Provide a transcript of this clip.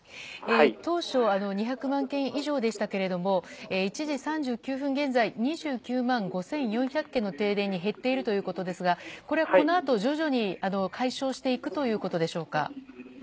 当初、２００万軒以上でしたが１時３９分現在２９万５４００軒の停電に減っているということですがこのあと、徐々に解消していくということでしょうか。